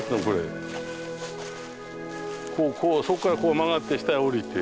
こうそっからこう曲がって下へ降りて。